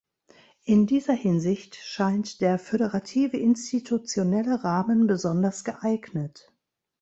In dieser Hinsicht scheint der föderative institutionelle Rahmen besonders geeignet.